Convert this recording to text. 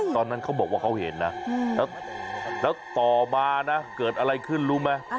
ตอนนั้นเขาบอกว่าเขาเห็นนะแล้วต่อมานะเกิดอะไรขึ้นรู้ไหม